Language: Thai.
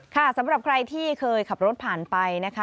สำหรับใครที่เคยขับรถผ่านไปนะคะ